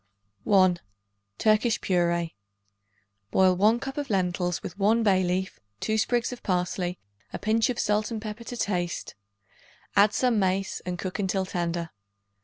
_ 1. Turkish Purée. Boil 1 cup of lentils with 1 bay leaf, 2 sprigs of parsley, a pinch of salt and pepper to taste; add some mace and cook until tender.